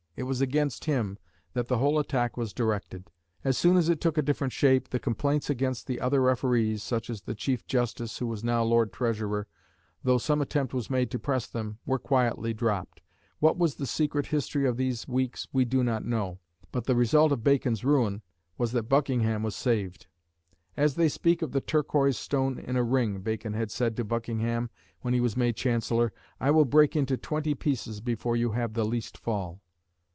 It was against him that the whole attack was directed; as soon as it took a different shape, the complaints against the other referees, such as the Chief Justice, who was now Lord Treasurer, though some attempt was made to press them, were quietly dropped. What was the secret history of these weeks we do not know. But the result of Bacon's ruin was that Buckingham was saved. "As they speak of the Turquoise stone in a ring," Bacon had said to Buckingham when he was made Chancellor, "I will break into twenty pieces before you have the least fall."